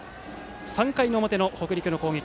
３回の表、北陸の攻撃。